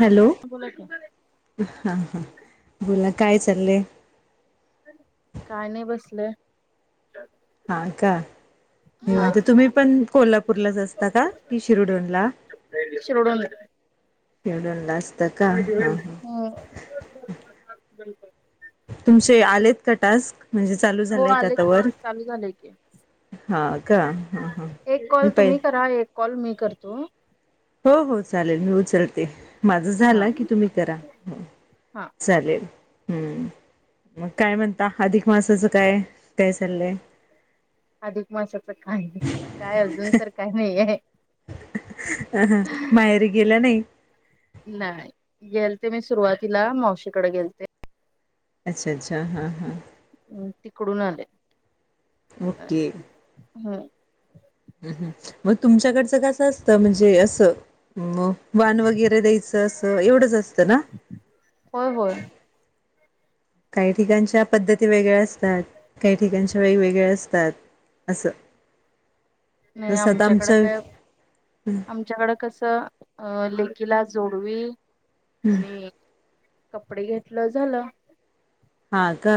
Hello हा बोला की ह ह बोला काय चाललंय काय नाही बसलं. हा का हा निवांत तुम्ही पण कोल्हापूरलाच असता का कि शिरोडोनला शिर्डीनलाचं [unintelligible] [unintelligible] हो. बिलकुल. तुमचे आलेत का टास्क? म्हणजे चालू हो झालंय का आलेत की तवर चालू झालंय की हा का हा हा एक मी कॉल पय तुम्ही करा एक कॉल मी करतो. हो हो चालेल मी उचलते. माझं हा झालं की तुम्ही करा हुं हा चालेल हम्. मग काय म्हणता अधिक मासाचं काय हाय काय चाललंय. अधिक मासाच काय काय अजून तर काय नाही आहे. अ माहेरी गेल्या नाही. नाही गेलते मी सुरुवातीला मावशीकडे गेलते. अच्छा अच्छा हा हा. तिकडून आले. ओके. हां हा म तुमच्याकडे ते दस असतं म्हणजे असं म. वाण वगैरे द्यायचं असं एवढंच असतं ना. होय होय काही ठिकाणच्या पद्धती वेगळ्या आस तर काही ठिकाणची वेगवेगळे असतात अस. नाही आमच्याकडें काय आमच्याकडं कसं अ लेखिला जोडवी हं. आणि कपडे घेतलं झालं. हा का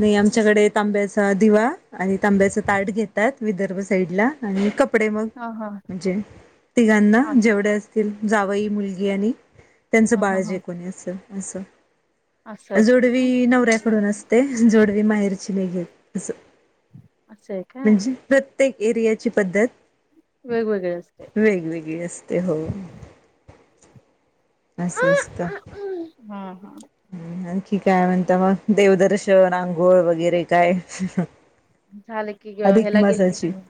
नाही आमच्याकडे तांब्याच दिवा आणि तांब्याचा ताट घेतात विदर्भ साईड ला आणि कप कपडे मग हा हा म्हणजे तिघांना अस जेवढे असतील, जावई, मुलगी आणि त्यांचं हा हा बाळ हा जे कोणी असंल. असं. असं असतंय का? पण असतय, जोडवी माहेरची नाही घेत अस. असं आहे काय प्रत्येक एरियाची पद्धत वेगवेगळे असते ते हो अस असस्त हा ह ह आणखी काय म्हणता मग देवदर्शन आंघोळ वगैरे काय झालं की अधिक ह्याला गेलते मासाची की मी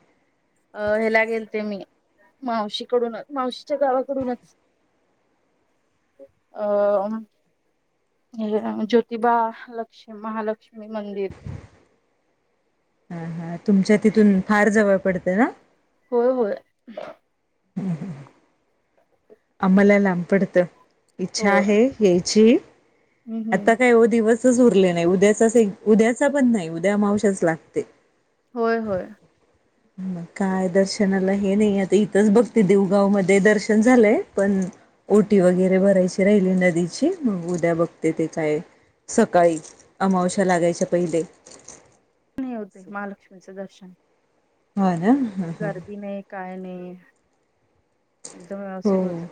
अ हला गेलते मी मावशीकडूनच मावशीच्या गावाकडूनच अ हे ज्योतिबा लक्ष महालक्ष्मी मंदिर हा हा तुमच्या तिथून फार जवळ पडतं ना होय होय हम्म हम् अमलाला अमपडत इच्छा होय आहे या्यायची हम्म हम्म आता काय हो दिवस च उरले नाही उद्याचा उद्याचा पण नाही उद्या मावशच लागते होय होय मग काय दर्शनाला हे नाही आता इथंच बघते देवगाव मध्ये दर्शन झालंय पण ओटी वगैरे भरायची राहिली नदीची मग उद्या बघ ते ते काय सकाळी अमावश्या लागायच्या पहिले होते महालक्ष्मीचं दर्शन ह ना ह गर्दी ने काय ने ह एकदम व्यवस्थित हो होत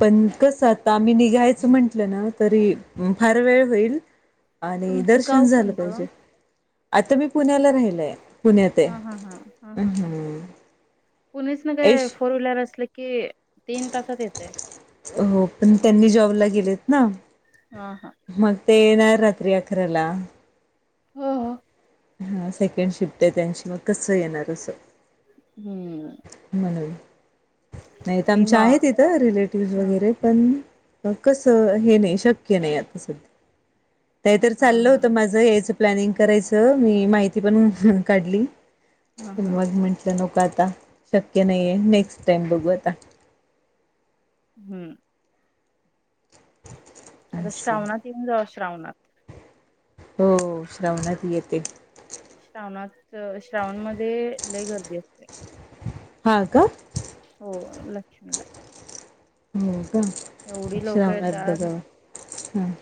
पण कसं आता मी निघायचं म्हंटलं ना तरी फार वेळ होईल आणि तुमचं दर्शन गाव झालं कोणतं पाहिजे आता मी पुण्याला राहिलय पुण्यात ए हा हा हा हा अ हा हा पुणेच ना एश काय फोर व्हीलर असलं की तीन तास हो पण त्यांनी जॉबला गेलेत ना हा हा मग ते येणार रात्री अकराला हो हो हा सेकंड शिफ्ट आहे त्यांची मग कसं येणार असं हम्म म्हणून. नाहीत मी म आमच्या आहेत हा इथं रिलेटिव्हज वगैरे पण कसं हे नाही शक्य नाही आता सध्या ते तर हा चाललं हा होतं माझं हेच प्लॅनींग करायं मी माहिती पण काढली हा हा मग म्हटल न आता शक्य नाहीेये नेक्स्ट टाइम बघू आता हम्म आता असं श्रावणात येऊन जावा श्रावणात हो श्रवणात येते श्रावणात श्रावण मधे लय गर्दी असते हा का हो लक्ष्मीला हो ह एवढी लोक श्रावनात येतात डब हम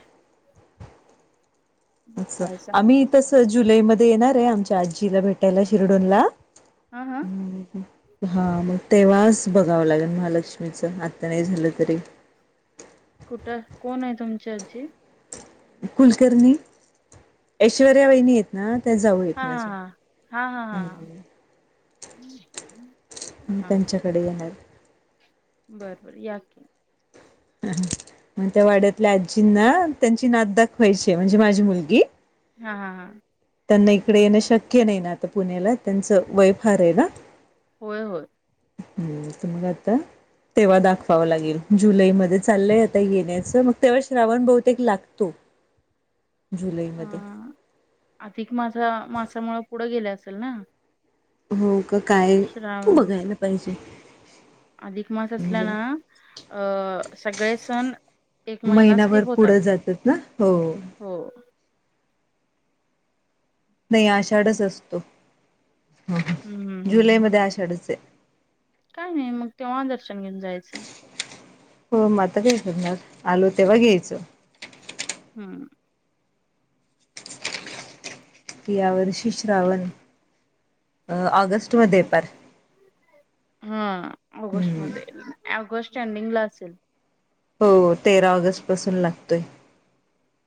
अच्छा काय सांग आम्ही तसज जुलै मध्ये येणार आहे आमच्या आजीला भेटायला शिरडोनला हा हा हा मग तेव्हाच बघावं लागेल महालक्ष्मीच आत्ता नाही झालं तरी कुठं कोण आहे तुमच्या आजी कुलकर्णी ऐश्वर्या वाहिनी आहेत ना ते जाऊ आहेत हा माझ्या हम्म हम्म त्यांच्याकडे येणार बरबर या की मग त्या वाड्यातल्या आजींना त्यांची नात दाखवायची म्हणजे माझी मुलगी हा हा हा त्यांना इकडे येणं शक्य नाही ना आता पुण्याला त्यांचं वय फार आहे ना होय होय हम्म मग आता तेव्हा दाखवाव लागेल जुलैमध्ये चाललंय आता येण्याच मग तेव्हा श्रावण बहुतेक लागतो जुलैमध्ये अ अधिक मासामुळे पुढं गेला असेल ना हो काय तू श्रावण बघायला पाहिजे अधिक मास असल्या म्हणजे ना अ सगळे सण एक महिना महिनाभर स्किप होतात पुढं जातात ना हो हो नाही आषाढच असतो ह हम्म हम्म ह हम्म जुलै हम्म मध्ये आषाढच आहे काय नाही मग तेव्हा दर्शन घेऊन जायचं हो म आता काय करणार आलो तेव्हा घ्यायच हम्म. की यावर्षी श्रावण अ ऑगस्ट मध्ये आहे पार. हा ऑगस्ट हम्म मध्ये ऑगस्ट स्टँडिंग ला असेल. हो तेरा ऑगस्ट पासून लागतोय.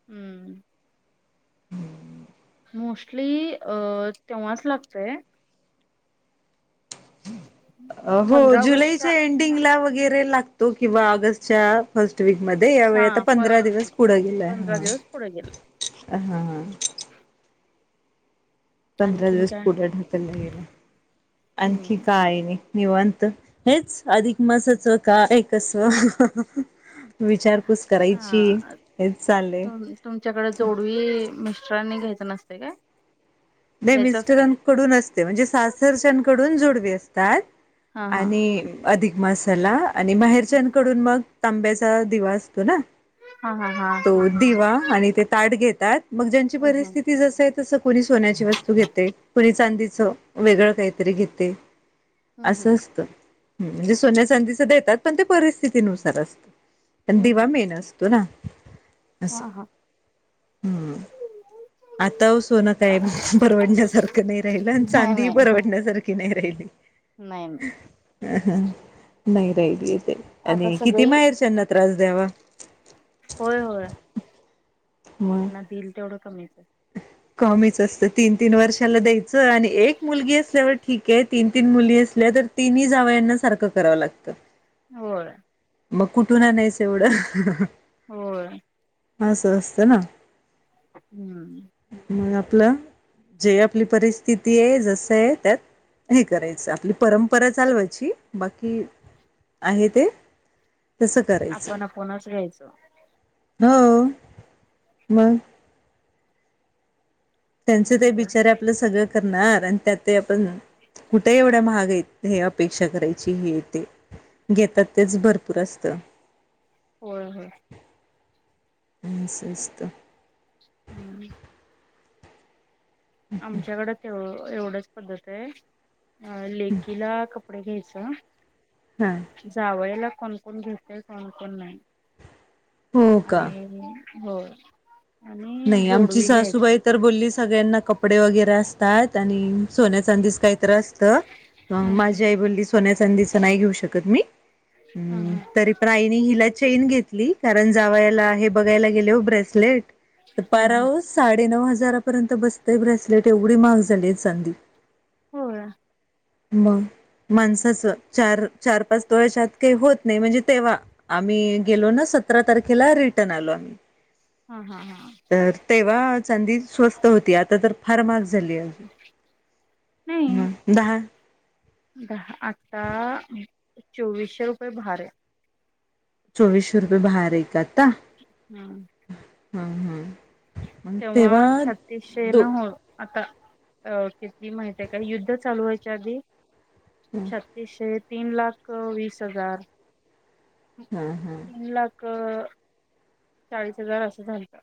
हम्म. हम्म. मोस्टली अ तेव्हाच लागतोय हो पंधरा जुलैच्या ऑगस्टच्या एंडिंगला वगैरे लागतो किंवा ऑगस्ट च्या वीक मध्ये यावेळी हा आता पंधरा फर्स्ट वीक दिवस पुढं गेलाय पंधरा दिवस पुढे गेले हा हा. पंधरा आणखीन दिवस काय? पुढे ढाकलला गेलं. आणखी हम्म. काय आणि? निवांत हेच. अधिक मासाच का कसवा. अ चाललंय त तुमच्याकडे जोडवी मिस्टरांनी घेतली नसते काय? नाही घ्यायचं असतंय मिस्टरांकडून असते म्हणजे सासरच्याकडून जोडवी असते. काय? हा हा आणि अधिक मासाला आणि बाहेरच्याकडून मग तांब्याच दिवा असतो ना हा हा हा. तो दिवा आणि ते ताट घेत त्यात मग ज्यांची हम्म हम्म परिस्थिती जसं आहे तसं कोणी खाण्याची अशी वस्तू घेते. चांदीच वेगळं काहीतरी घेते. हम्म हम्म असं असतं. म्हणजे सोन्या चादीच देतात पण ते परिस्थितीनुसार असतं. पण हम्म दिवा हम्म. मेन असतो ना. हा असं हा. हम्म. आता सोन काय परवडण्यासारखं नाही राहिलं आणि नाही चांदी नाही परवडण्यासारखी नाही राहिली. नाही नाही नाही राहीली. आता आणि किती सगळी माहेरच्याना त्रास ्यावा [unintelligible] होय होय. मग त्यांना दिईल तेवढं कमीच. कमीच असतं तीन तीन वर्षाला द्यायचं आणि एक मुलगी असल्यावर ठीक आहे तीन तीन मुलगी असल्या तर तिनही जावयाना सारखं करावं लागतं. होय. मग कुठून आणायचं एवढं? होय. असं असतं ना. अच् [unintelligible] मग. आपलं जे आपली परिस्थिती आहे जसं आहे त्यात हे करायचं आपली परंपरा चालवायची बाकी आहे ते तसं करायचं आपण आपणच घ्यायचो. हो मग. त्यांच ते बिचार आपलं सगळं करणार आणि त्यात आपण कुठे एवढा महाग य हे अपेक्षा करायची हे येते घेतात तेच भरपूर असतं. होय होय. आणि स्वस्त हम्म. आमच्याकडे तेव एवढच पद्धत आहे अ लेखिला क कढे घ्यायच हा जावं याला कोणकण घेत कोणकण नाही हो का आणि हो आणि नाही आमची जोडवी घ्यायचं सासूबाई तर बोलली सगळ्यांना कप कपडे वगैरे असतात आणि सोन्याचांदीस काही त हा हा माझ्या आई ब सोन्या चांंदीच नाही घेऊ शकत मी हा हम्म हा तरी प्राईनी हिला चेन घेतली कारण जाव याला हे बघायला गेले हो ब्रेसलेट हा पारा हा साडे नऊ हजार ारपर्यंत बसतय ब्रेसलेट एवढी महाग झाली चांध हो मग माणसाच चार चार पाच तोळ्याच्यात काही होत नाही म्हणजे तेव्हा आम्ही गेलो ना सतरा तारखेला रिटर्न आलो आम्ही हा हा हा तर तेव्हा ी स्वस्त होती आता तर फार मग झा नाही ह दहा दहा आत्ता चोवीसशे रुपये भार आहे चोवीसशे रुपये बाहेर आहे काता हम् हम्म हम्म तेव्हा छत्तीशे ना हो आता क ती माहित आहे काय युद्ध चालू व्हायच्या आधी शक्तीशेेत तीन लाख वीस हजार हम्म हम्म तीन लाख चाळीस हजार असं झालत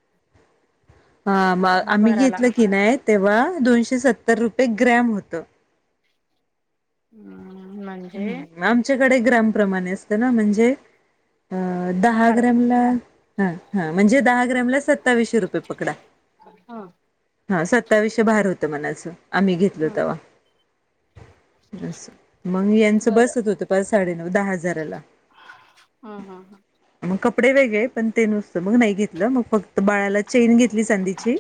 ह दहा आम्ही बाराला घेतलं की नाही तेव्हा दोनशे सत् तर रुपये ग्रॅम होतं हम्म म्हणजे हम्म आमच्या कडे ग्राम प्रमाणे असत ना? म्हणजे अ दहा भार ग्रॅमला ह ह म्हणजे दहा ग्रॅमला सत्तावीशे रुपये पकडा. हा हा सत्तावीश्य भार होतं मनाचं. आम्ही घेतलं हा तवा बस. मग यांचं बरं बसत होत पाच साडेनऊ दहा हजाराला हा हा हा मग कपडे वेगळे पण ते नुसतं मग नाही घेतलं मग फक्त बाळाला चेन घेत ली चांदीची.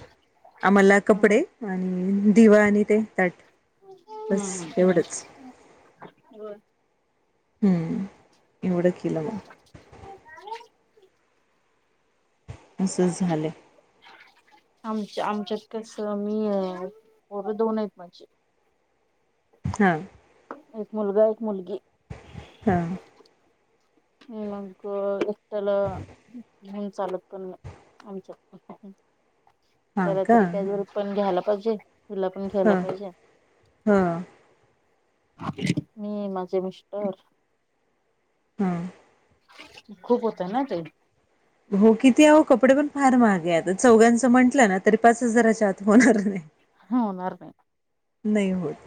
आम्हाला ह कपडे आणि ह ह दिवा आणि ते ताट बस एवढंच. बर. हम्म एवढं केलं न अस झालय. आमच्या आमच्यात कसं मी मुल दोन आहेत माझी. हा. एक मुलगा एक मुलगी. हा. ह मग चला. हम चालत पण नाही आमच्यात पण. हा कला का तरी त्यावर पण घ्यायला अजय तिला पण ह घ्यायला पाहिजे. ह मी माझे मिस्टर. हा खूप होतं ना ते. हो किती आहो कपडे पण फार महागे आता चौघांचं म्हटलं ना तरी पाच हजाराच्या आत होणार नाही. हा होणार नाही. नाही होत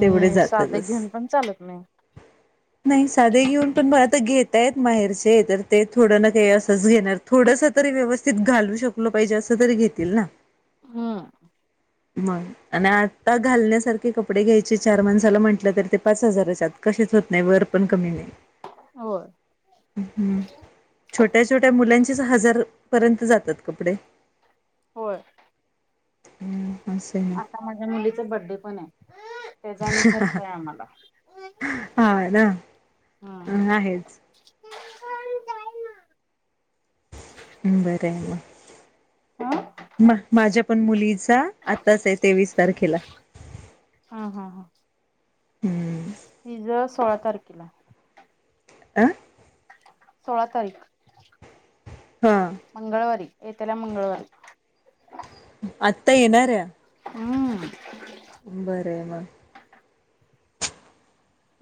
तेवढे साधं जातातच घेऊन पण चालत नाही नाही साधे घेऊन पण मग आता घेत त्यात माहेरचे येतात ते थोडं ना काही असंच घेणार थोडस तरी व्यवस्थित घालू शकलो पाहिजे असं तरी घेतील ना. हम. मग आणि आता घालण्यासारखे कप कपडेे घ्याय ते चार माणसाला म्हंटलं तर ते पाच हजाराच्या आत कशेच होत नाही. वर पण कमी नाही. होय छोट्या छोट्या मुलांचेच हजार पर्यंत जातात कपडे. होय. हम्म आता माझ्या मुलीचा बड्डे पण आहे त्याचा आणि खर्च आहे आम्हाला हा ना हं अं आहेच बर आहे म हा म माझ्या पण मुलीच आताच आहे तेवीस तारखेला हम्म पिझ [unintelligible] सोळा तारखेला आं सोळा तारीख हा मंगळवारी येत्या मंगळवारी आत्ता येणाऱ्या हम्म बरं मग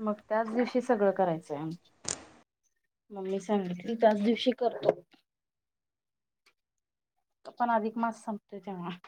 मग त्याच दिवशी सगळं करायचंय म मी सांगितल की त्याच दिवशी कर पण अधिक मास संपतो तेव्हा